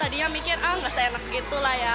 dia mikir ah nggak seenak gitu lah ya